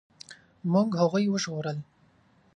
موږ هغوی وژغورل.